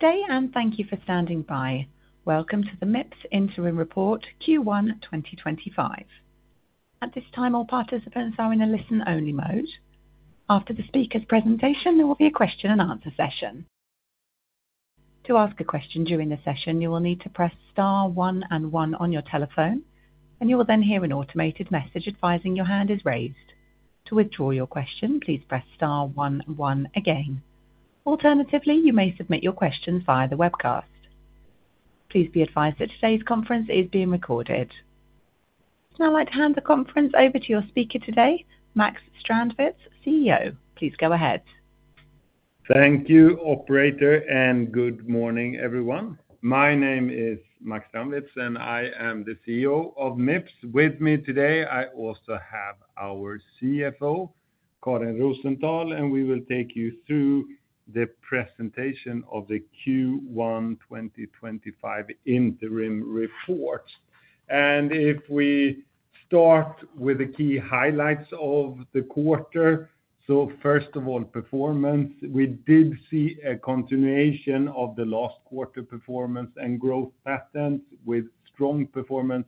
Good day, and thank you for standing by. Welcome to the Mips Interim Report Q1 2025. At this time, all participants are in a listen-only mode. After the speaker's presentation, there will be a question-and-answer session. To ask a question during the session, you will need to press star one and one on your telephone, and you will then hear an automated message advising your hand is raised. To withdraw your question, please press star one and one again. Alternatively, you may submit your questions via the webcast. Please be advised that today's conference is being recorded. Now, I'd like to hand the conference over to your speaker today, Max Strandwitz, CEO. Please go ahead. Thank you, Operator, and good morning, everyone. My name is Max Strandwitz, and I am the CEO of Mips. With me today, I also have our CFO, Karin Rosenthal, and we will take you through the presentation of the Q1 2025 Interim Report. If we start with the key highlights of the quarter, first of all, performance. We did see a continuation of the last quarter performance and growth patterns with strong performance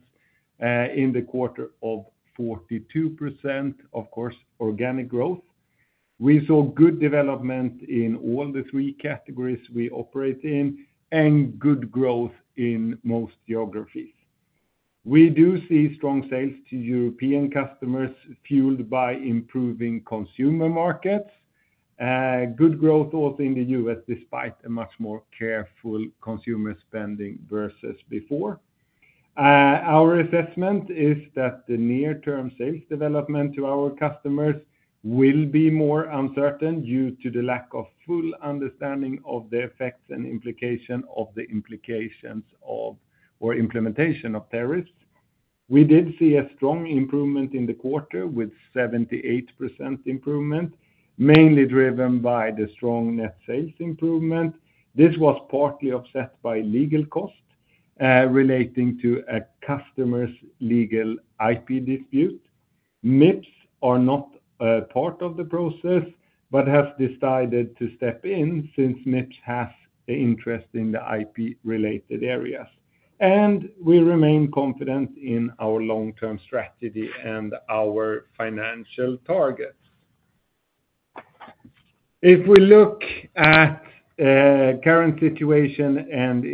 in the quarter of 42%, of course, organic growth. We saw good development in all the three categories we operate in and good growth in most geographies. We do see strong sales to European customers, fueled by improving consumer markets. Good growth also in the U.S., despite a much more careful consumer spending versus before. Our assessment is that the near-term sales development to our customers will be more uncertain due to the lack of full understanding of the effects and implications of the implementation of tariffs. We did see a strong improvement in the quarter, with 78% improvement, mainly driven by the strong net sales improvement. This was partly offset by legal costs relating to a customer's legal IP dispute. Mips are not part of the process, but have decided to step in since Mips has an interest in the IP-related areas. We remain confident in our long-term strategy and our financial targets. If we look at the current situation and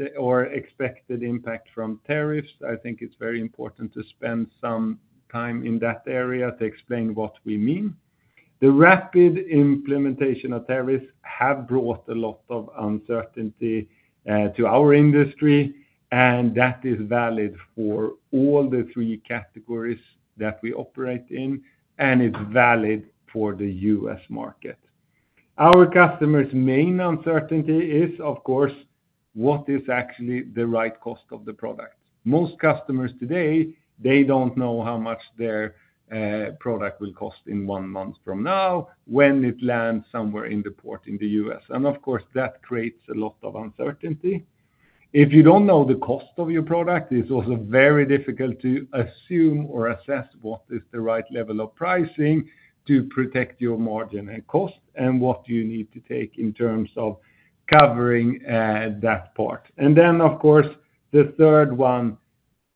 expected impact from tariffs, I think it is very important to spend some time in that area to explain what we mean. The rapid implementation of tariffs has brought a lot of uncertainty to our industry, and that is valid for all the three categories that we operate in, and it is valid for the U.S. market. Our customers' main uncertainty is, of course, what is actually the right cost of the product. Most customers today they do not know how much their product will cost in one month from now when it lands somewhere in the port in the U.S. Of course, that creates a lot of uncertainty. If you do not know the cost of your product, it is also very difficult to assume or assess what is the right level of pricing to protect your margin and cost, and what you need to take in terms of covering that part. The third one,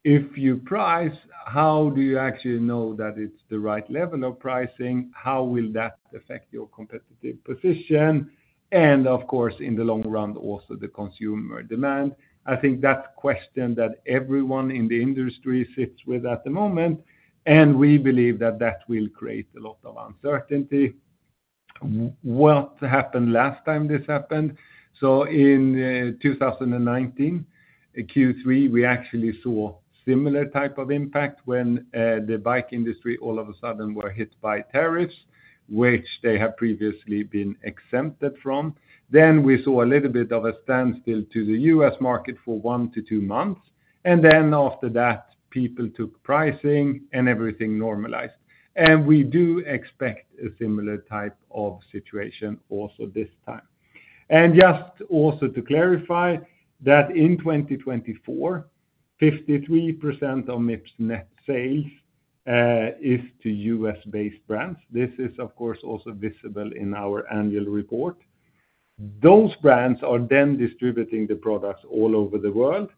if you price, how do you actually know that it is the right level of pricing? How will that affect your competitive position? Of course, in the long run, also the consumer demand. I think that's a question that everyone in the industry sits with at the moment, and we believe that that will create a lot of uncertainty. What happened last time this happened? In 2019, Q3, we actually saw a similar type of impact when the bike industry, all of a sudden, was hit by tariffs, which they had previously been exempted from. We saw a little bit of a standstill to the U.S. market for one to two months. After that, people took pricing and everything normalized. We do expect a similar type of situation also this time. Just also to clarify that in 2024, 53% of Mips' net sales is to U.S.-based brands. This is, of course, also visible in our annual report. Those brands are then distributing the products all over the world.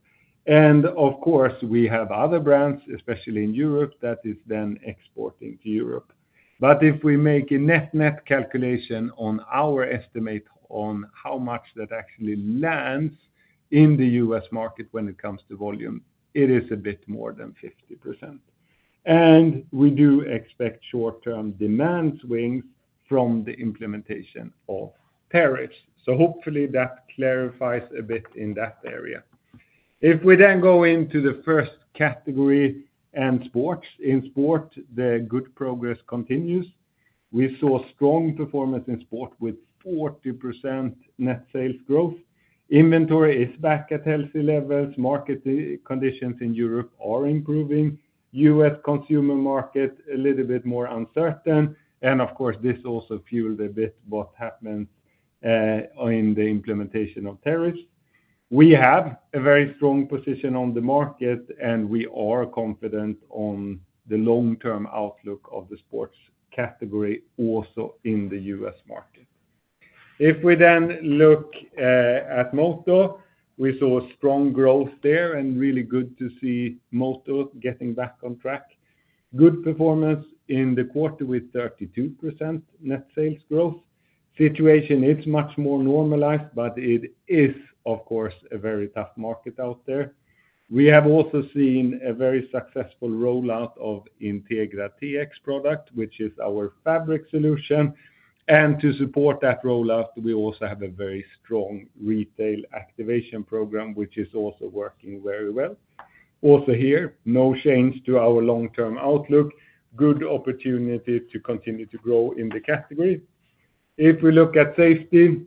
Of course, we have other brands, especially in Europe, that are then exporting to Europe. If we make a net-net calculation on our estimate on how much that actually lands in the U.S. market when it comes to volume, it is a bit more than 50%. We do expect short-term demand swings from the implementation of tariffs. Hopefully, that clarifies a bit in that area. If we then go into the first category and Sports, in Sports, the good progress continues. We saw strong performance in Sport with 40% net sales growth. Inventory is back at healthy levels. Market conditions in Europe are improving. U.S. consumer market is a little bit more uncertain. This also fueled a bit what happened in the implementation of tariffs. We have a very strong position on the market, and we are confident on the long-term outlook of the Sports category, also in the U.S. market. If we then look at Moto, we saw strong growth there, and really good to see Moto getting back on track. Good performance in the quarter with 32% net sales growth. Situation is much more normalized, but it is, of course, a very tough market out there. We have also seen a very successful rollout of Integra TX product, which is our fabric solution. To support that rollout, we also have a very strong retail activation program, which is also working very well. Also here, no change to our long-term outlook. Good opportunity to continue to grow in the category. If we look at Safety,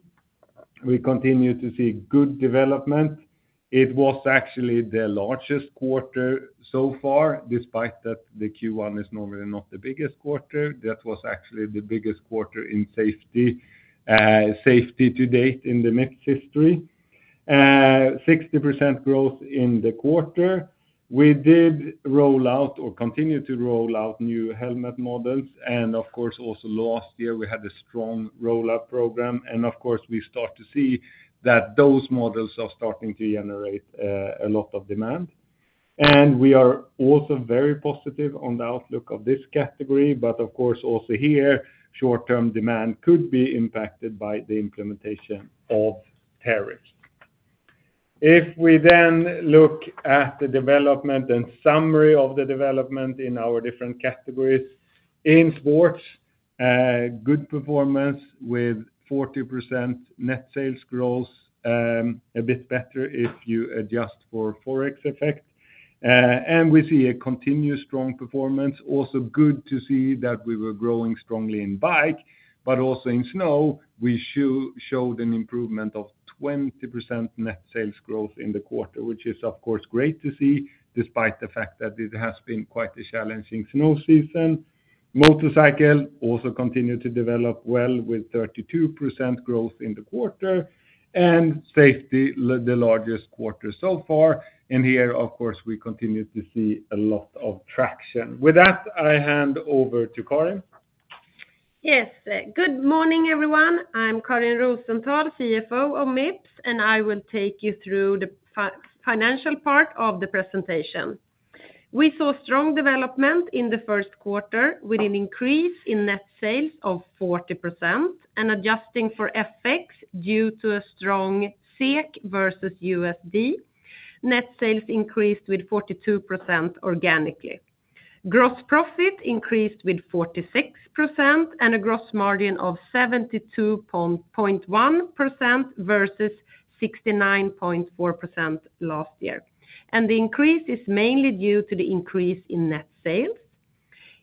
we continue to see good development. It was actually the largest quarter so far, despite that the Q1 is normally not the biggest quarter. That was actually the biggest quarter in Safety to date in the Mips history. 60% growth in the quarter. We did rollout or continue to rollout new helmet models. Of course, also last year, we had a strong rollout program. Of course, we start to see that those models are starting to generate a lot of demand. We are also very positive on the outlook of this category. Of course, also here, short-term demand could be impacted by the implementation of tariffs. If we then look at the development and summary of the development in our different categories in Sports, good performance with 40% net sales growth, a bit better if you adjust for Forex effect. We see a continued strong performance. Also good to see that we were growing strongly in bike, but also in snow, we showed an improvement of 20% net sales growth in the quarter, which is, of course, great to see despite the fact that it has been quite a challenging snow season. Motorcycles also continued to develop well with 32% growth in the quarter. Safety, the largest quarter so far. Here, of course, we continue to see a lot of traction. With that, I hand over to Karin. Yes. Good morning, everyone. I'm Karin Rosenthal, CFO of Mips, and I will take you through the financial part of the presentation. We saw strong development in the Q1 with an increase in net sales of 40% and adjusting for FX due to a strong SEK versus USD. Net sales increased with 42% organically. Gross profit increased with 46% and a gross margin of 72.1% versus 69.4% last year. The increase is mainly due to the increase in net sales.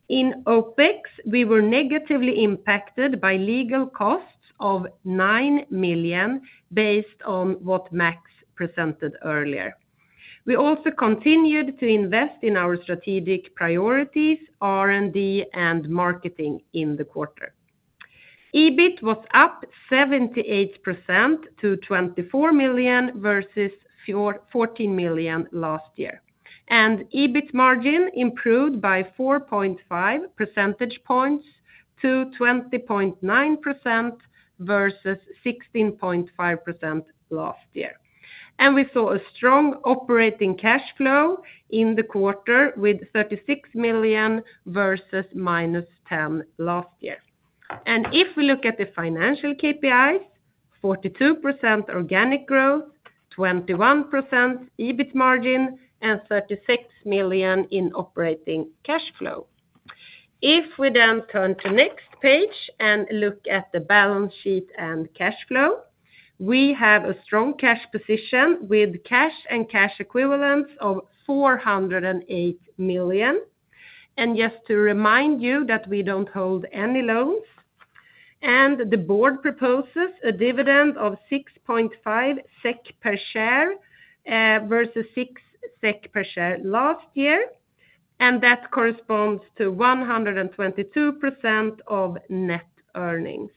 In OpEx, we were negatively impacted by legal costs of 9 million based on what Max presented earlier. We also continued to invest in our strategic priorities, R&D, and marketing in the quarter. EBIT was up 78% to 24 million versus 14 million last year. EBIT margin improved by 4.5 percentage points to 20.9% versus 16.5% last year. We saw a strong operating cash flow in the quarter with 36 million versus minus 10 million last year. If we look at the financial KPIs, 42% organic growth, 21% EBIT margin, and 36 million in operating cash flow. If we then turn to the next page and look at the balance sheet and cash flow, we have a strong cash position with cash and cash equivalents of 408 million. Just to remind you that we do not hold any loans. The board proposes a dividend of 6.5 SEK per share versus 6 SEK per share last year. That corresponds to 122% of net earnings.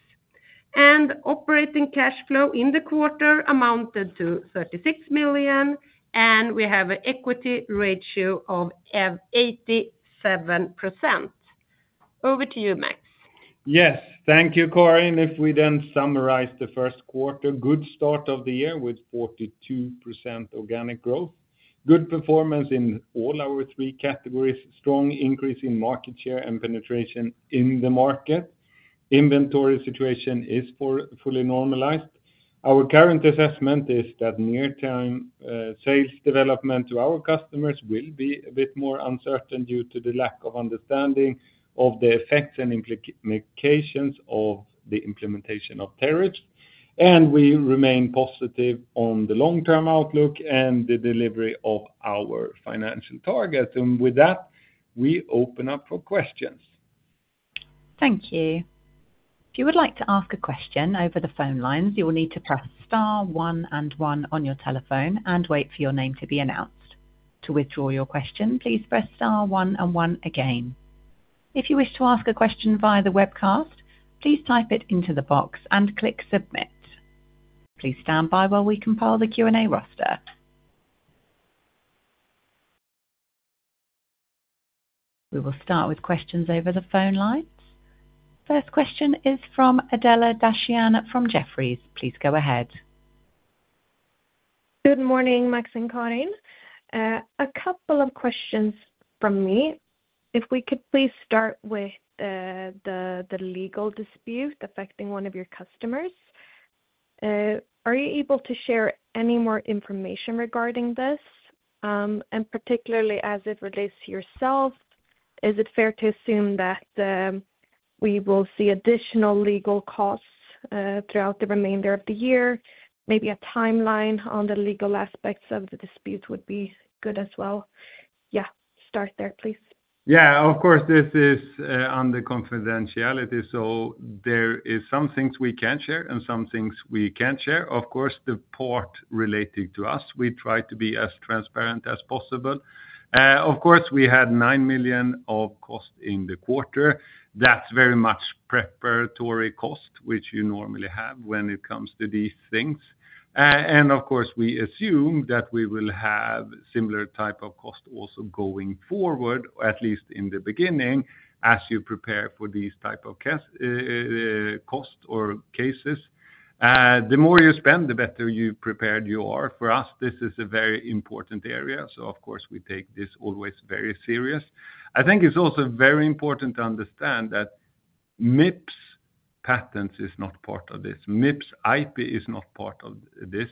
Operating cash flow in the quarter amounted to 36 million, and we have an equity ratio of 87%. Over to you, Max. Yes. Thank you, Karin. If we then summarize the Q1, good start of the year with 42% organic growth. Good performance in all our three categories, strong increase in market share, and penetration in the market. Inventory situation is fully normalized. Our current assessment is that near-term sales development to our customers will be a bit more uncertain due to the lack of understanding of the effects and implications of the implementation of tariffs. We remain positive on the long-term outlook and the delivery of our financial targets. With that, we open up for questions. Thank you. If you would like to ask a question over the phone lines, you will need to press star one and one on your telephone and wait for your name to be announced. To withdraw your question, please press star one and one again. If you wish to ask a question via the webcast, please type it into the box and click submit. Please stand by while we compile the Q&A roster. We will start with questions over the phone lines. First question is from Adela Dashian from Jefferies. Please go ahead. Good morning, Max and Karin. A couple of questions from me. If we could please start with the legal dispute affecting one of your customers, are you able to share any more information regarding this? Particularly as it relates to yourself, is it fair to assume that we will see additional legal costs throughout the remainder of the year? Maybe a timeline on the legal aspects of the dispute would be good as well. Start there, please. Yeah, of course, this is on the confidentiality. There are some things we can share and some things we can't share. Of course, the part relating to us, we try to be as transparent as possible. We had 9 million of cost in the quarter. That's very much preparatory cost, which you normally have when it comes to these things. We assume that we will have a similar type of cost also going forward, at least in the beginning, as you prepare for these types of costs or cases. The more you spend, the better prepared you are. For us, this is a very important area. We take this always very seriously. I think it's also very important to understand that Mips patents is not part of this. Mips IP is not part of this.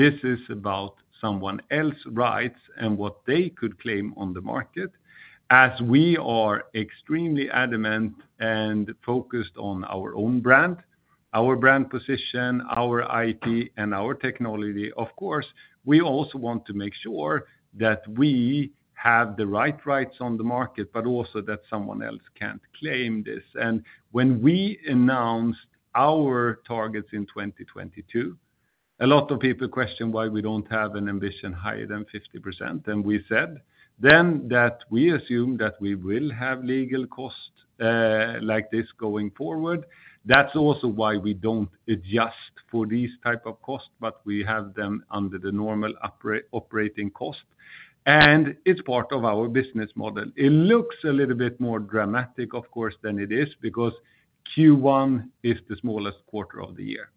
This is about someone else's rights and what they could claim on the market. As we are extremely adamant and focused on our own brand, our brand position, our IP, and our technology, of course, we also want to make sure that we have the right rights on the market, but also that someone else can't claim this. When we announced our targets in 2022, a lot of people questioned why we don't have an ambition higher than 50%. We said then that we assume that we will have legal costs like this going forward. That's also why we don't adjust for these types of costs, but we have them under the normal operating cost. It is part of our business model. It looks a little bit more dramatic, of course, than it is because Q1 is the smallest quarter of the year.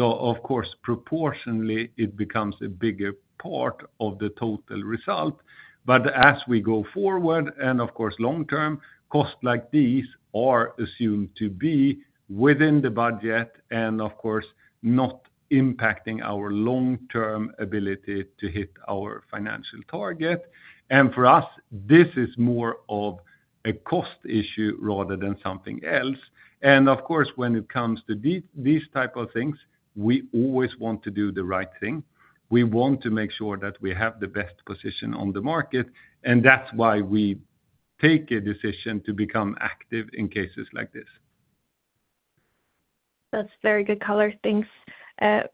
Of course, proportionally, it becomes a bigger part of the total result. As we go forward, and of course, long-term, costs like these are assumed to be within the budget and, of course, not impacting our long-term ability to hit our financial target. For us, this is more of a cost issue rather than something else. Of course, when it comes to these types of things, we always want to do the right thing. We want to make sure that we have the best position on the market. That is why we take a decision to become active in cases like this. That's very good color. Thanks.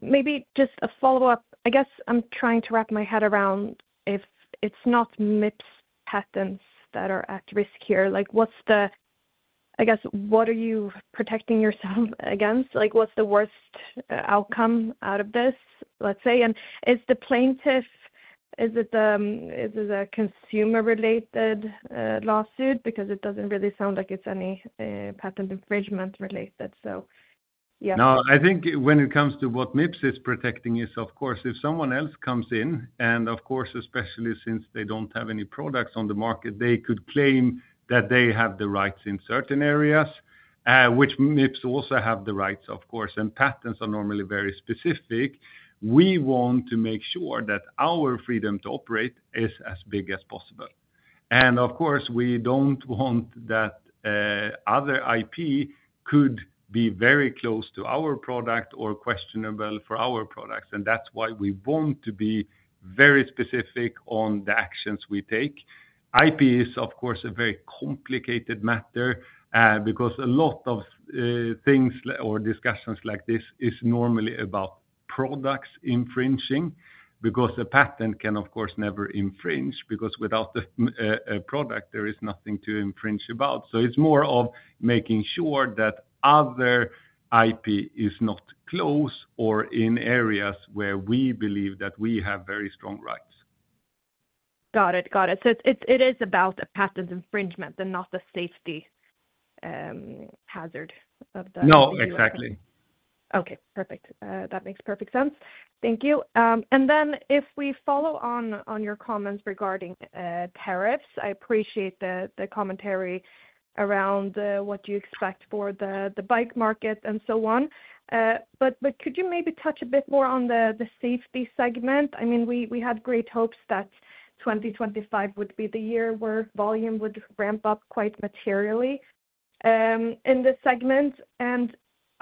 Maybe just a follow-up. I guess I'm trying to wrap my head around if it's not Mips patents that are at risk here. I guess what are you protecting yourself against? What's the worst outcome out of this, let's say? Is the plaintiff, is it a consumer-related lawsuit? It doesn't really sound like it's any patent infringement-related. Yeah. No, I think when it comes to what Mips is protecting is, of course, if someone else comes in, and of course, especially since they do not have any products on the market, they could claim that they have the rights in certain areas, which Mips also have the rights, of course, and patents are normally very specific. We want to make sure that our freedom to operate is as big as possible. We do not want that other IP could be very close to our product or questionable for our products. That is why we want to be very specific on the actions we take. IP is, of course, a very complicated matter because a lot of things or discussions like this is normally about products infringing because a patent can, of course, never infringe because without a product, there is nothing to infringe about. It is more of making sure that other IP is not close or in areas where we believe that we have very strong rights. Got it. Got it. It is about a patent infringement and not the safety hazard of the IP. No, exactly. Okay. Perfect. That makes perfect sense. Thank you. If we follow on your comments regarding tariffs, I appreciate the commentary around what you expect for the bike market and so on. Could you maybe touch a bit more on the Safety segment? I mean, we had great hopes that 2025 would be the year where volume would ramp up quite materially in the segment.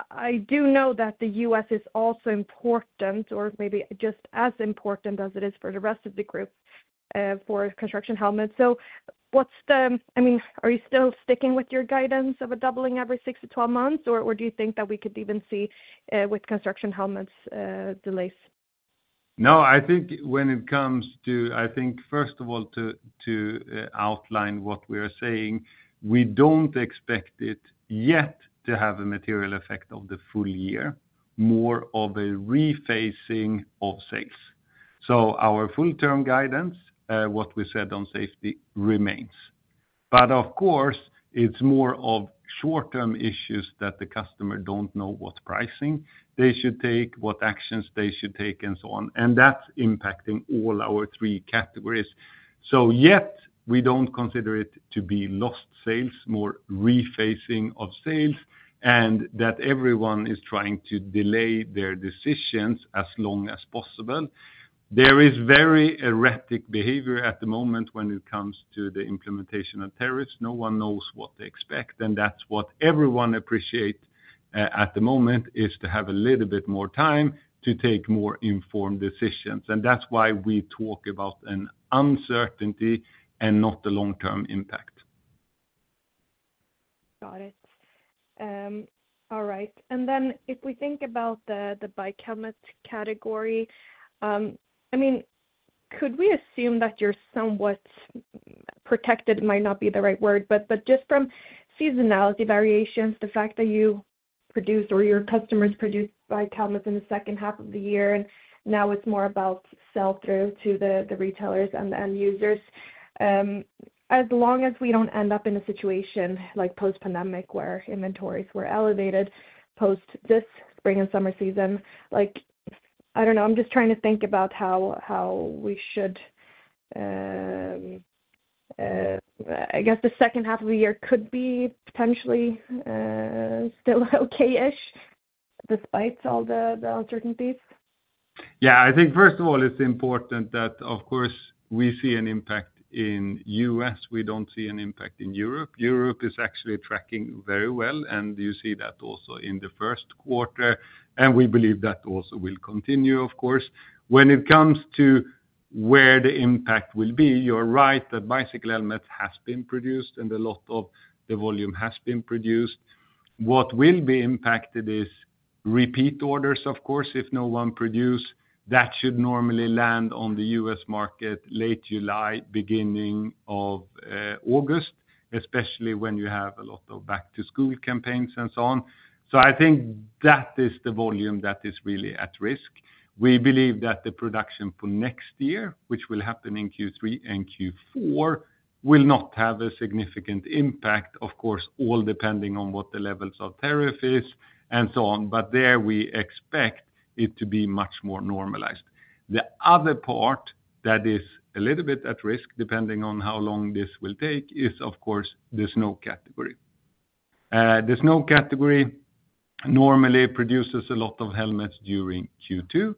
I do know that the U.S. is also important, or maybe just as important as it is for the rest of the group, for construction helmets. What is the, I mean, are you still sticking with your guidance of a doubling every 6-12 months, or do you think that we could even see with construction helmets delays? No, I think when it comes to, I think, first of all, to outline what we are saying, we do not expect it yet to have a material effect on the full year, more of a refacing of sales. Our full-term guidance, what we said on Safety, remains. Of course, it is more of short-term issues that the customer does not know what pricing they should take, what actions they should take, and so on. That is impacting all our three categories. Yet, we do not consider it to be lost sales, more refacing of sales, and that everyone is trying to delay their decisions as long as possible. There is very erratic behavior at the moment when it comes to the implementation of tariffs. No one knows what they expect. That's what everyone appreciates at the moment, to have a little bit more time to take more informed decisions. That's why we talk about an uncertainty and not the long-term impact. Got it. All right. If we think about the bike helmet category, I mean, could we assume that you're somewhat protected? It might not be the right word, but just from seasonality variations, the fact that you produce or your customers produce bike helmets in the second half of the year, and now it's more about sell-through to the retailers and the end users. As long as we do not end up in a situation like post-pandemic, where inventories were elevated post this spring and summer season, I do not know. I'm just trying to think about how we should, I guess, the second half of the year could be potentially still okay-ish despite all the uncertainties. Yeah, I think first of all, it's important that, of course, we see an impact in the U.S. We don't see an impact in Europe. Europe is actually tracking very well. You see that also in the Q1. We believe that also will continue, of course. When it comes to where the impact will be, you're right that bicycle helmets have been produced, and a lot of the volume has been produced. What will be impacted is repeat orders, of course, if no one produces. That should normally land on the U.S. market late July, beginning of August, especially when you have a lot of back-to-school campaigns and so on. I think that is the volume that is really at risk. We believe that the production for next year, which will happen in Q3 and Q4, will not have a significant impact, of course, all depending on what the levels of tariff is and so on. There, we expect it to be much more normalized. The other part that is a little bit at risk, depending on how long this will take, is, of course, the snow category. The snow category normally produces a lot of helmets during Q2.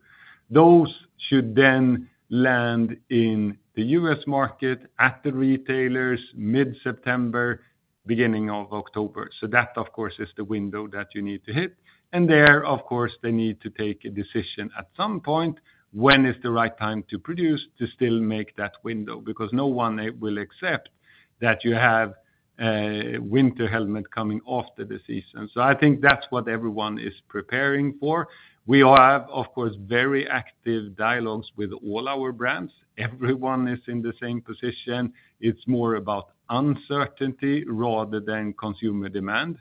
Those should then land in the U.S. market at the retailers mid-September, beginning of October. That, of course, is the window that you need to hit. There, of course, they need to take a decision at some point, when is the right time to produce to still make that window? Because no one will accept that you have a winter helmet coming after the season. I think that's what everyone is preparing for. We have, of course, very active dialogues with all our brands. Everyone is in the same position. It's more about uncertainty rather than consumer demand.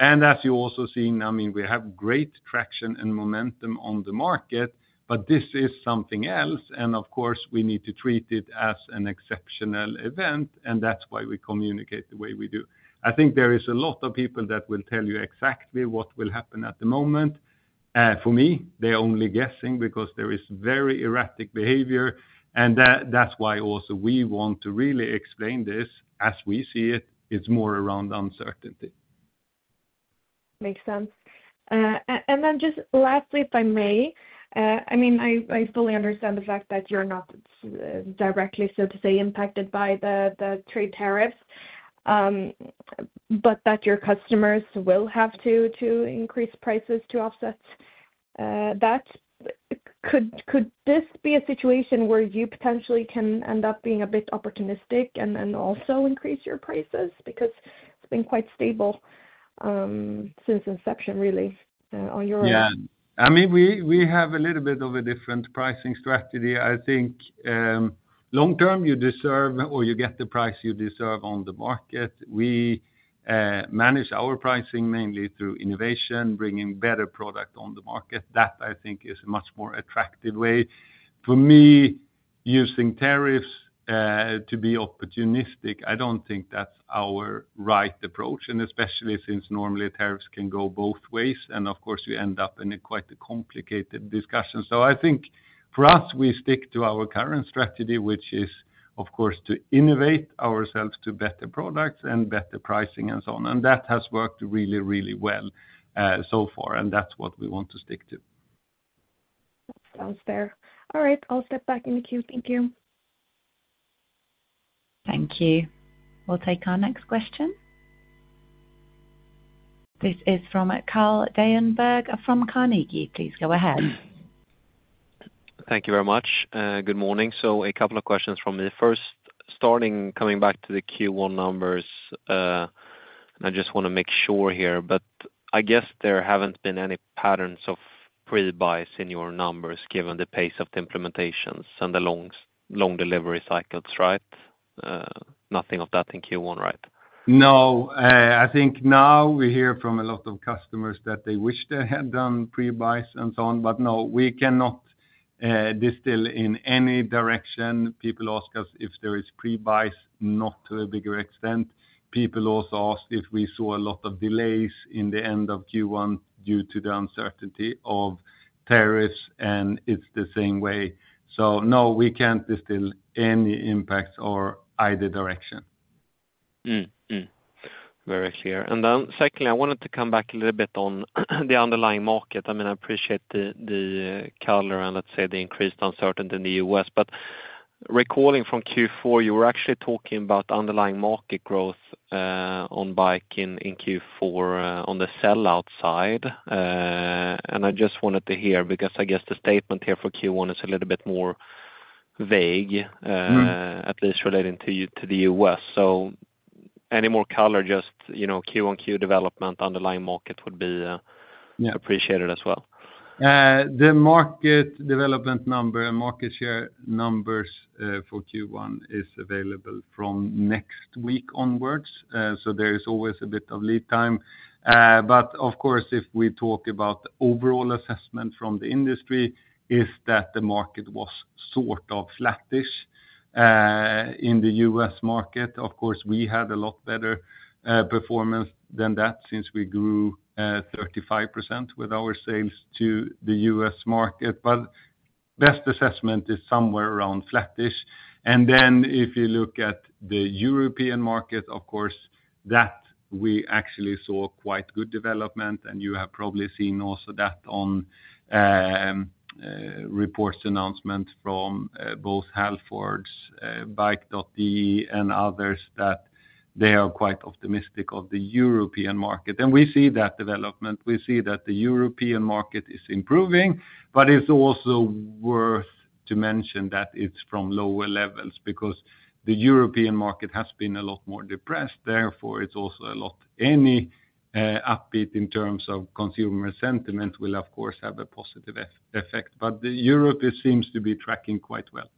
And as you also see, I mean, we have great traction and momentum on the market, but this is something else. Of course, we need to treat it as an exceptional event. That's why we communicate the way we do. I think there are a lot of people that will tell you exactly what will happen at the moment. For me, they're only guessing because there is very erratic behavior. That's why also we want to really explain this as we see it. It's more around uncertainty. Makes sense. Lastly, if I may, I mean, I fully understand the fact that you're not directly, so to say, impacted by the trade tariffs, but that your customers will have to increase prices to offset that. Could this be a situation where you potentially can end up being a bit opportunistic and then also increase your prices? Because it's been quite stable since inception, really, on your end. Yeah. I mean, we have a little bit of a different pricing strategy. I think long-term, you deserve or you get the price you deserve on the market. We manage our pricing mainly through innovation, bringing better product on the market. That, I think, is a much more attractive way. For me, using tariffs to be opportunistic, I do not think that is our right approach. Especially since normally tariffs can go both ways. Of course, you end up in quite a complicated discussion. I think for us, we stick to our current strategy, which is, of course, to innovate ourselves to better products and better pricing and so on. That has worked really, really well so far. That is what we want to stick to. Sounds fair. All right. I'll step back in the queue. Thank you. Thank you. We'll take our next question. This is from Carl Deijenberg from Carnegie. Please go ahead. Thank you very much. Good morning. A couple of questions from me. First, coming back to the Q1 numbers, I just want to make sure here, but I guess there have not been any patterns of pre-buys in your numbers, given the pace of the implementations and the long delivery cycles, right? Nothing of that in Q1, right? No. I think now we hear from a lot of customers that they wish they had done pre-buys and so on. No, we cannot distill in any direction. People ask us if there is pre-buys, not to a bigger extent. People also ask if we saw a lot of delays in the end of Q1 due to the uncertainty of tariffs, and it is the same way. No, we cannot distill any impacts or either direction. Very clear. Secondly, I wanted to come back a little bit on the underlying market. I mean, I appreciate the color, and let's say the increased uncertainty in the U.S. Recalling from Q4, you were actually talking about underlying market growth on bike in Q4 on the sell-out side. I just wanted to hear because I guess the statement here for Q1 is a little bit more vague, at least relating to the U.S. Any more color, just Q1, Q development, underlying market would be appreciated as well. The market development number and market share numbers for Q1 is available from next week onwards. There is always a bit of lead time. Of course, if we talk about overall assessment from the industry, the market was sort of flattish in the U.S. market. Of course, we had a lot better performance than that since we grew 35% with our sales to the U.S. market. Best assessment is somewhere around flattish. If you look at the European market, we actually saw quite good development. You have probably seen also that on reports announcement from both Halfords, Bike.de, and others that they are quite optimistic of the European market. We see that development. We see that the European market is improving. It is also worth to mention that it is from lower levels because the European market has been a lot more depressed. Therefore, any upbeat in terms of consumer sentiment will, of course, have a positive effect. Europe seems to be tracking quite well.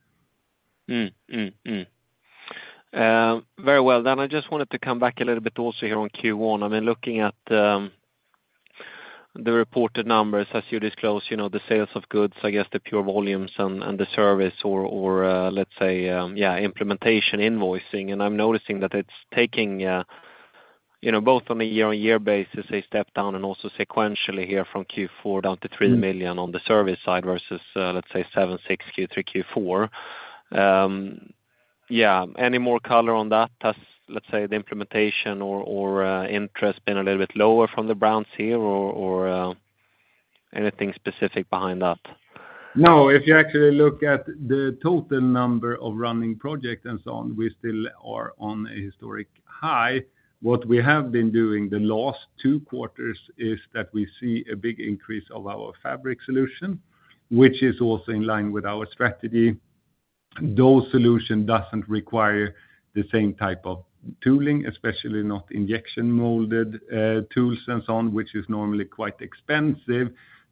Very well. I just wanted to come back a little bit also here on Q1. I mean, looking at the reported numbers, as you disclosed, the sales of goods, I guess the pure volumes and the service, or, let's say, yeah, implementation invoicing. I'm noticing that it's taking both on a year-on-year basis, a step down, and also sequentially here from Q4 down to 3 million on the service side versus, let's say, 7, 6, Q3, Q4. Yeah. Any more color on that? Has, let's say, the implementation or interest been a little bit lower from the brands here, or anything specific behind that? No. If you actually look at the total number of running projects and so on, we still are on a historic high. What we have been doing the last two quarters is that we see a big increase of our fabric solution, which is also in line with our strategy. Those solutions do not require the same type of tooling, especially not injection-molded tools and so on, which is normally quite expensive.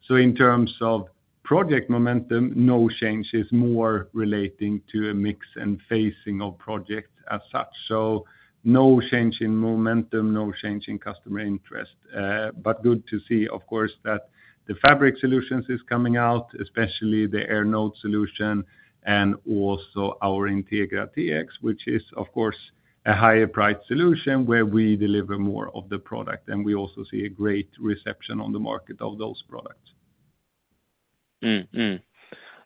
In terms of project momentum, no change is more relating to a mix and phasing of projects as such. No change in momentum, no change in customer interest. Good to see, of course, that the fabric solutions are coming out, especially the Air Node solution and also our Integra TX, which is, of course, a higher-priced solution where we deliver more of the product. We also see a great reception on the market of those products.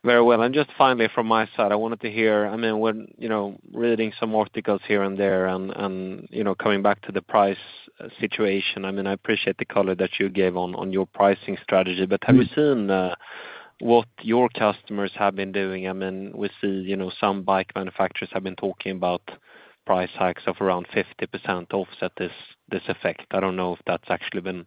Very well. Just finally, from my side, I wanted to hear, I mean, reading some articles here and there and coming back to the price situation. I mean, I appreciate the color that you gave on your pricing strategy. Have you seen what your customers have been doing? I mean, we see some bike manufacturers have been talking about price hikes of around 50% to offset this effect. I do not know if that has actually been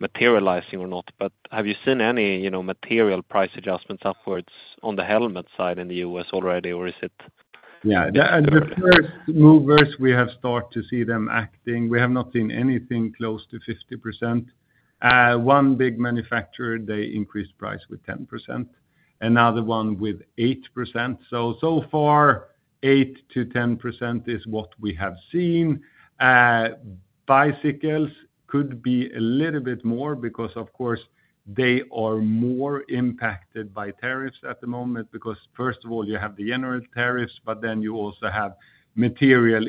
materializing or not. Have you seen any material price adjustments upwards on the helmet side in the U.S. already, or is it? Yeah. The first movers, we have started to see them acting. We have not seen anything close to 50%. One big manufacturer they increased price with 10%. Another one with 8%. So far, 8%-10% is what we have seen. Bicycles could be a little bit more because, of course, they are more impacted by tariffs at the moment because, first of all, you have the general tariffs, but then you also have material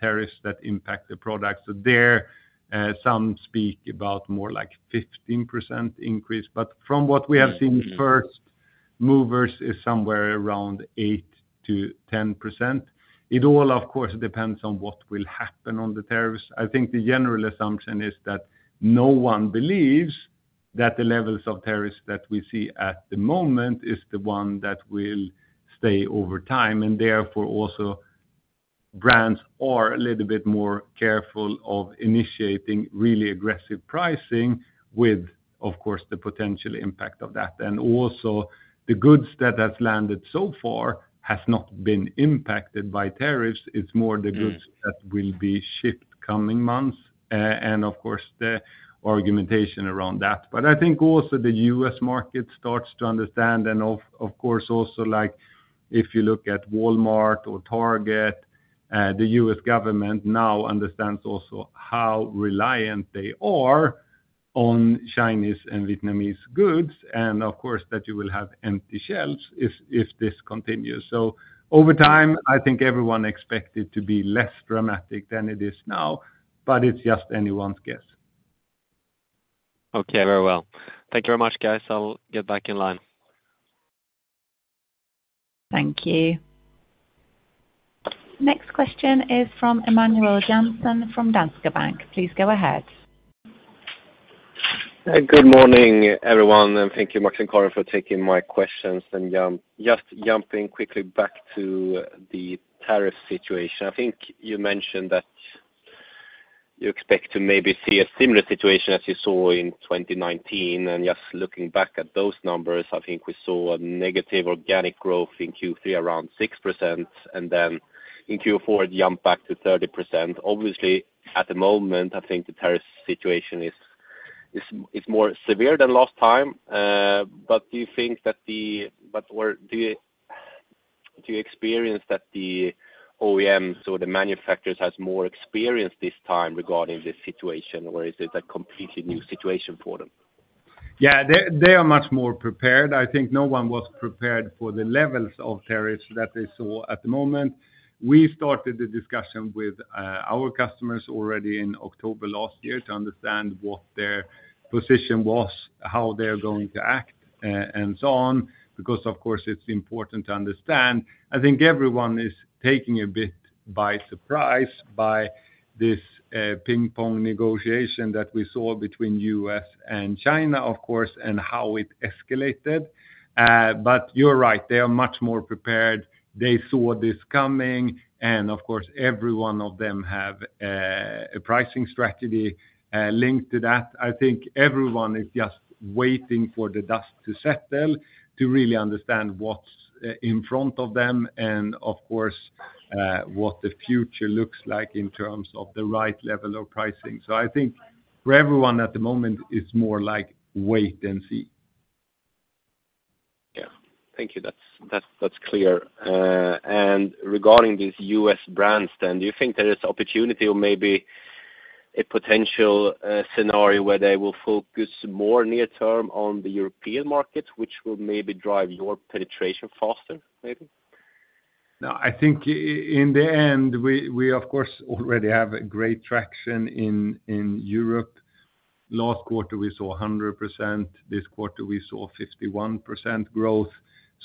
tariffs that impact the products. There, some speak about more like 15% increase. From what we have seen, first movers are somewhere around 8%-10%. It all, of course, depends on what will happen on the tariffs. I think the general assumption is that no one believes that the levels of tariffs that we see at the moment are the ones that will stay over time. Therefore, also brands are a little bit more careful of initiating really aggressive pricing, with, of course, the potential impact of that. Also, the goods that have landed so far have not been impacted by tariffs. It is more the goods that will be shipped in coming months. Of course, the argumentation around that. I think also the U.S. market starts to understand. If you look at Walmart or Target, the U.S. government now understands also how reliant they are on Chinese and Vietnamese goods. That you will have empty shelves if this continues. Over time, I think everyone expected it to be less dramatic than it is now, but it is just anyone's guess. Okay. Very well. Thank you very much, guys. I'll get back in line. Thank you. Next question is from Emanuel Jansson from Danske Bank. Please go ahead. Good morning, everyone. Thank you, Max and Karin, for taking my questions. Just jumping quickly back to the tariff situation. I think you mentioned that you expect to maybe see a similar situation as you saw in 2019. Just looking back at those numbers, I think we saw a negative organic growth in Q3 around 6%, and then in Q4, it jumped back to 30%. Obviously, at the moment, I think the tariff situation is more severe than last time. Do you think that the—or do you experience that the OEMs or the manufacturers have more experience this time regarding this situation, or is it a completely new situation for them? Yeah, they are much more prepared. I think no one was prepared for the levels of tariffs that they saw at the moment. We started the discussion with our customers already in October last year to understand what their position was, how they're going to act, and so on. Of course, it's important to understand. I think everyone is taken a bit by surprise by this ping-pong negotiation that we saw between the U.S. and China, of course, and how it escalated. You're right. They are much more prepared. They saw this coming. Of course, every one of them has a pricing strategy linked to that. I think everyone is just waiting for the dust to settle to really understand what's in front of them and, of course, what the future looks like in terms of the right level of pricing. I think for everyone at the moment, it's more like wait and see. Yeah. Thank you. That's clear. Regarding these U.S. brands, then, do you think there is opportunity or maybe a potential scenario where they will focus more near-term on the European markets, which will maybe drive your penetration faster, maybe? No. I think in the end, we, of course, already have great traction in Europe. Last quarter, we saw 100%. This quarter, we saw 51% growth.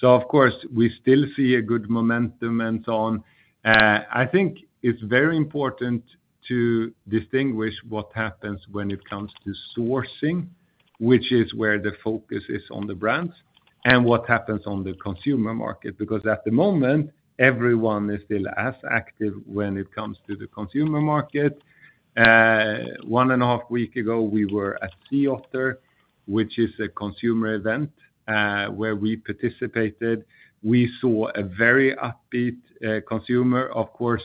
Of course, we still see a good momentum and so on. I think it is very important to distinguish what happens when it comes to sourcing, which is where the focus is on the brands, and what happens on the consumer market. Because at the moment, everyone is still as active when it comes to the consumer market. One and a half weeks ago, we were at Sea Otter, which is a consumer event where we participated. We saw a very upbeat consumer. Of course,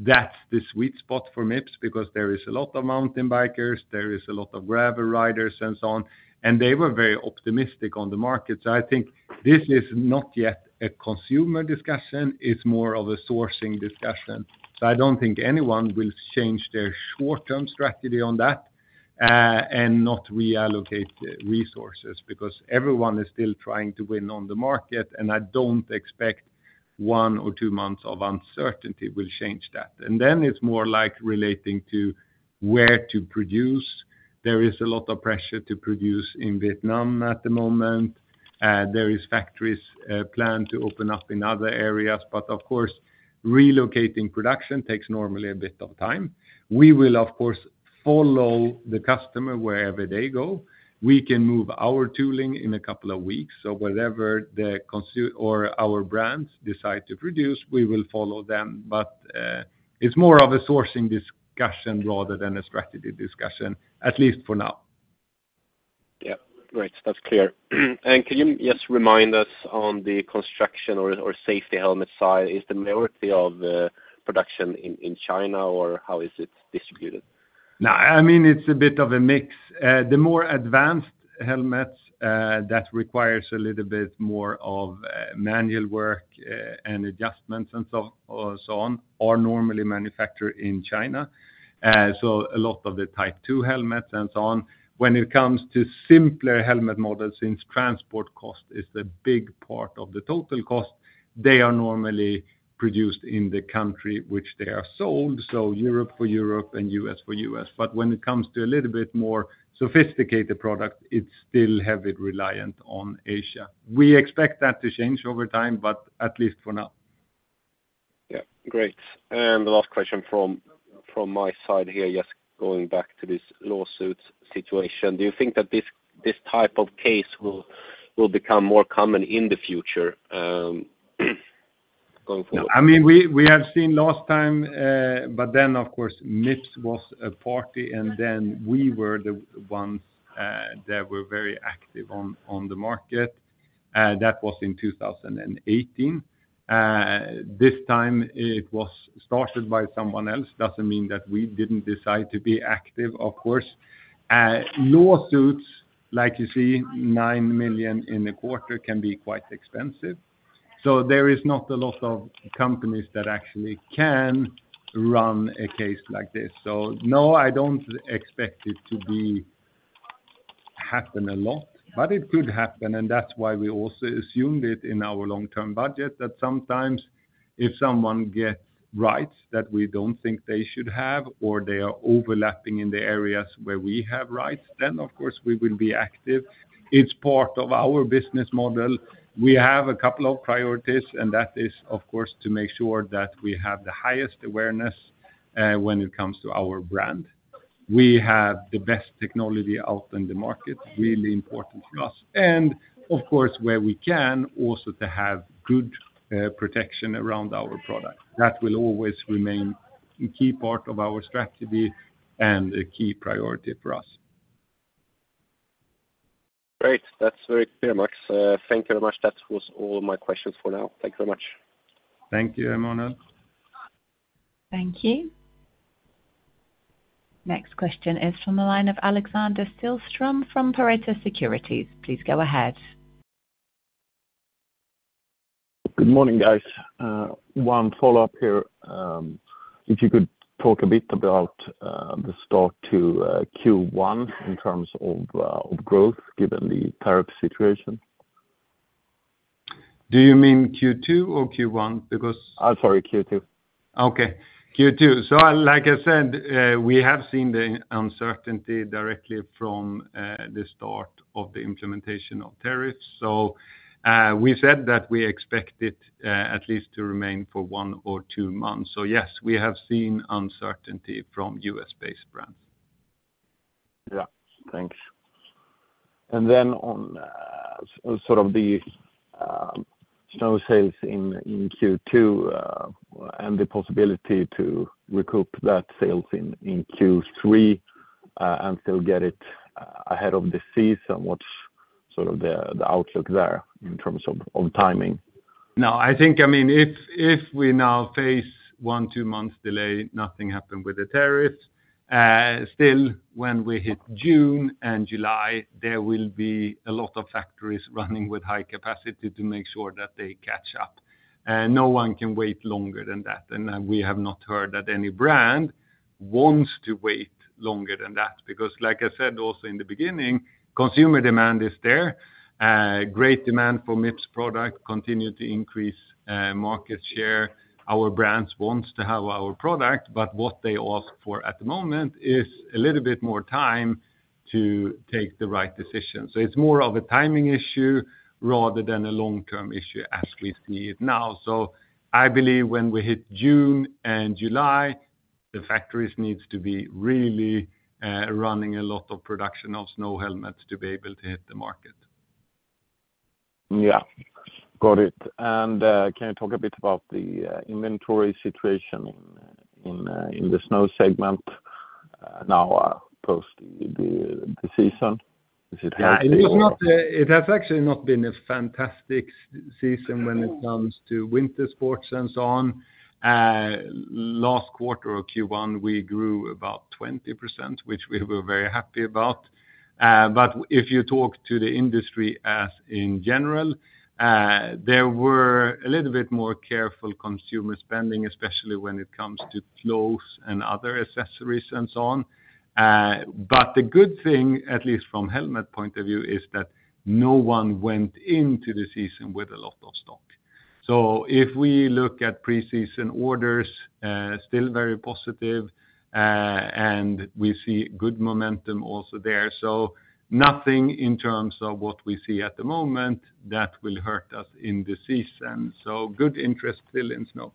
that is the sweet spot for Mips because there is a lot of mountain bikers, there is a lot of gravel riders, and so on. They were very optimistic on the market. I think this is not yet a consumer discussion. It's more of a sourcing discussion. I don't think anyone will change their short-term strategy on that and not reallocate resources because everyone is still trying to win on the market. I don't expect one or two months of uncertainty will change that. It is more like relating to where to produce. There is a lot of pressure to produce in Vietnam at the moment. There are factories planned to open up in other areas. Of course, relocating production takes normally a bit of time. We will, of course, follow the customer wherever they go. We can move our tooling in a couple of weeks. Whatever the consumer or our brands decide to produce, we will follow them. It is more of a sourcing discussion rather than a strategy discussion, at least for now. Yeah. Great. That's clear. Can you just remind us on the construction or safety helmet side? Is the majority of production in China, or how is it distributed? No. I mean, it's a bit of a mix. The more advanced helmets that require a little bit more of manual work and adjustments, and so on are normally manufactured in China. A lot of the Type II helmets and so on. When it comes to simpler helmet models, since transport cost is the big part of the total cost, they are normally produced in the country which they are sold. Europe for Europe and U.S. for U.S. When it comes to a little bit more sophisticated product, it's still heavily reliant on Asia. We expect that to change over time, but at least for now. Yeah. Great. The last question from my side here, just going back to this lawsuit situation. Do you think that this type of case will become more common in the future going forward? I mean, we have seen last time, but then, of course, Mips was a party, and then we were the ones that were very active on the market. That was in 2018. This time, it was started by someone else. It does not mean that we did not decide to be active, of course. Lawsuits, like you see, 9 million in a quarter can be quite expensive. There are not a lot of companies that actually can run a case like this. No, I do not expect it to happen a lot, but it could happen. That is why we also assumed it in our long-term budget that sometimes if someone gets rights that we do not think they should have, or they are overlapping in the areas where we have rights, then, of course, we will be active. It is part of our business model. We have a couple of priorities, and that is, of course, to make sure that we have the highest awareness when it comes to our brand. We have the best technology out in the market, really important for us. Of course, where we can, also to have good protection around our products. That will always remain a key part of our strategy and a key priority for us. Great. That's very clear, Max. Thank you very much. That was all my questions for now. Thank you very much. Thank you, Emanuel. Thank you. Next question is from the line of Alexander Siljeström from Pareto Securities. Please go ahead. Good morning, guys. One follow-up here. If you could talk a bit about the start to Q1 in terms of growth, given the tariff situation. Do you mean Q2 or Q1? Because. I'm sorry, Q2. Q2. Like I said, we have seen the uncertainty directly from the start of the implementation of tariffs. We said that we expect it at least to remain for one or two months. Yes, we have seen uncertainty from U.S.-based brands. Yeah. Thanks. On sort of the snow sales in Q2 and the possibility to recoup that sales in Q3 and still get it ahead of the season, what's sort of the outlook there in terms of timing? No. I think, I mean, if we now face one or two months' delay, nothing happened with the tariffs. Still, when we hit June and July, there will be a lot of factories running with high capacity to make sure that they catch up. No one can wait longer than that. We have not heard that any brand wants to wait longer than that. Like I said also in the beginning, consumer demand is there. Great demand for Mips product continues to increase market share. Our brands want to have our product, but what they ask for at the moment is a little bit more time to take the right decision. It is more of a timing issue rather than a long-term issue as we see it now. I believe when we hit June and July, the factories need to be really running a lot of production of snow helmets to be able to hit the market. Yeah. Got it. Can you talk a bit about the inventory situation in the snow segment now, post the season? Is it healthy? It has actually not been a fantastic season when it comes to winter Sports and so on. Last quarter of Q1, we grew about 20%, which we were very happy about. If you talk to the industry as in general, there were a little bit more careful consumer spending, especially when it comes to clothes and other accessories, and so on. The good thing, at least from a helmet point of view, is that no one went into the season with a lot of stock. If we look at pre-season orders, still very positive, and we see good momentum also there. Nothing in terms of what we see at the moment that will hurt us in the season. Good interest still in snow.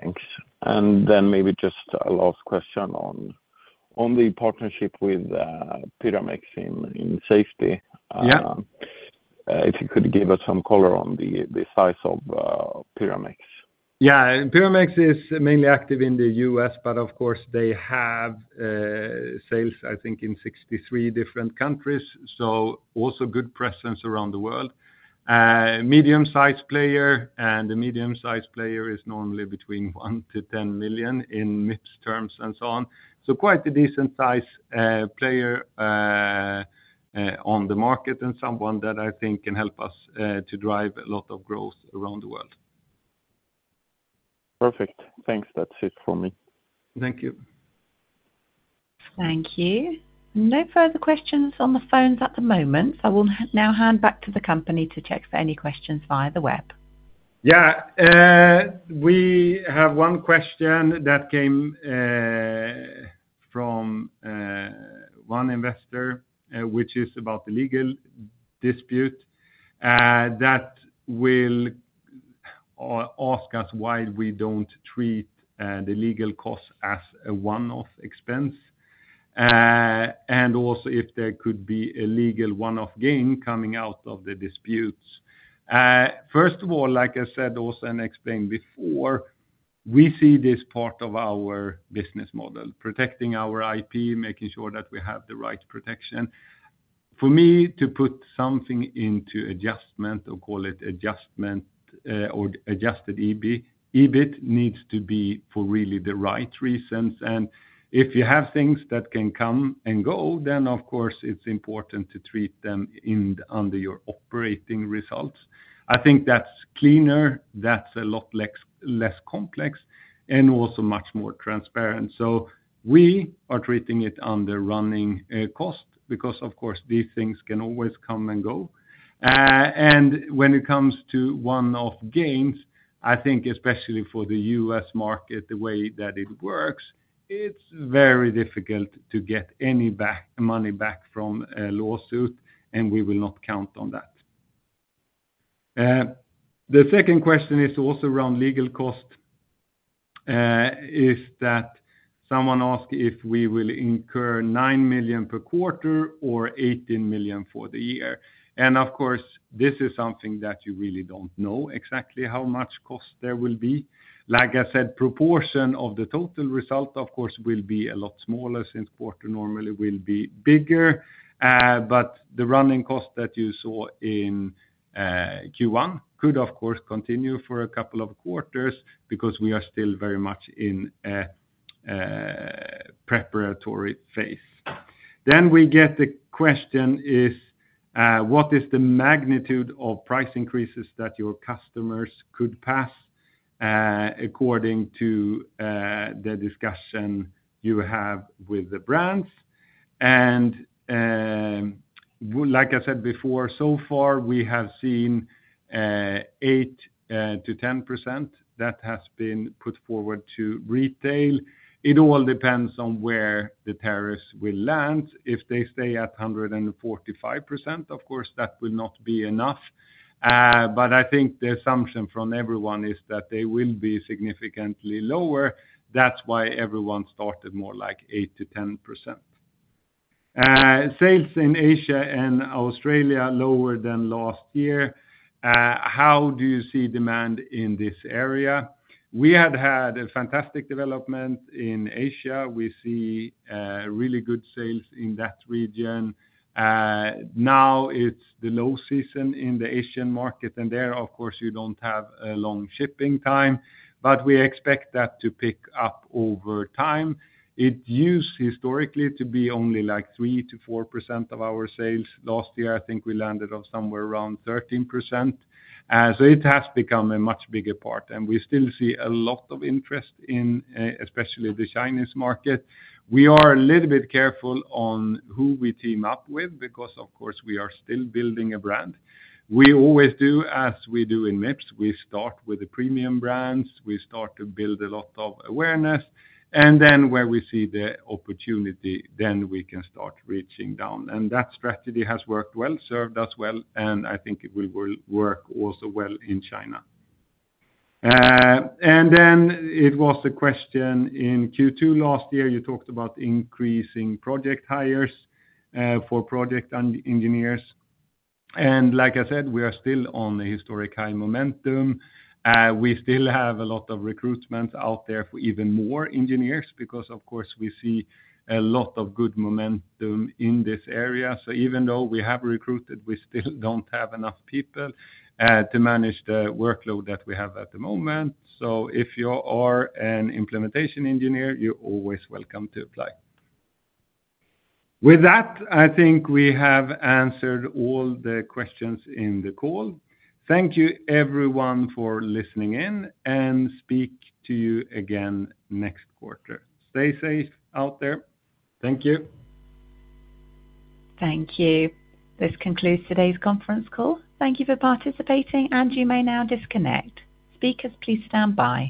Thanks. Maybe just a last question on the partnership with Pyramex in Safety. If you could give us some color on the size of Pyramex. Yeah. Pyramex is mainly active in the U.S., but of course, they have sales, I think, in 63 different countries. Also good presence around the world. Medium-sized player. The medium-sized player is normally between 1-10 million in Mips terms and so on. Quite a decent-sized player on the market and someone that I think can help us to drive a lot of growth around the world. Perfect. Thanks. That's it for me. Thank you. Thank you. No further questions on the phones at the moment. I will now hand back to the company to check for any questions via the web. Yeah. We have one question that came from one investor, which is about the legal dispute that will ask us why we do not treat the legal cost as a one-off expense, and also if there could be a legal one-off gain coming out of the disputes. First of all, like I said also and explained before, we see this part of our business model: protecting our IP, making sure that we have the right protection. For me, to put something into adjustment, or call it adjustment or adjusted EBIT, EBIT needs to be for really the right reasons. If you have things that can come and go, then, of course, it is important to treat them under your operating results. I think that is cleaner. That is a lot less complex and also much more transparent. We are treating it under running cost because, of course, these things can always come and go. When it comes to one-off gains, I think especially for the U.S. market, the way that it works, it's very difficult to get any money back from a lawsuit, and we will not count on that. The second question is also around legal cost is that someone asked if we will incur 9 million per quarter or 18 million for the year. Of course, this is something that you really don't know exactly how much cost there will be. Like I said, proportion of the total result, of course, will be a lot smaller since quarter normally will be bigger. The running cost that you saw in Q1 could, of course, continue for a couple of quarters because we are still very much in a preparatory phase. We get the question: what is the magnitude of price increases that your customers could pass according to the discussion you have with the brands? Like I said before, so far, we have seen 8%-10% that has been put forward to retail. It all depends on where the tariffs will land. If they stay at 145%, of course, that will not be enough. I think the assumption from everyone is that they will be significantly lower. That is why everyone started more like 8%-10%. Sales in Asia and Australia lower than last year. How do you see demand in this area? We had had a fantastic development in Asia. We see really good sales in that region. Now it is the low season in the Asian market, and there, of course, you do not have a long shipping time. We expect that to pick up over time. It used historically to be only like 3%-4% of our sales. Last year, I think we landed on somewhere around 13%. It has become a much bigger part. We still see a lot of interest in especially the Chinese market. We are a little bit careful on who we team up with because, of course, we are still building a brand. We always do, as we do in Mips, we start with the premium brands. We start to build a lot of awareness. Where we see the opportunity, then we can start reaching down. That strategy has worked well, served us well, and I think it will work also well in China. There was the question in Q2 last year. You talked about increasing project hires for project engineers. Like I said, we are still on a historic high momentum. We still have a lot of recruitments out there for even more engineers because, of course, we see a lot of good momentum in this area. Even though we have recruited, we still do not have enough people to manage the workload that we have at the moment. If you are an implementation engineer, you are always welcome to apply. With that, I think we have answered all the questions in the call. Thank you, everyone, for listening in, and speak to you again next quarter. Stay safe out there. Thank you. Thank you. This concludes today's conference call. Thank you for participating, and you may now disconnect. Speakers, please stand by.